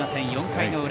４回の裏。